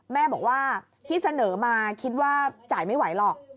แม่บอกว่าที่เสนอมาคิดว่าจ่ายไม่ไหวหรอก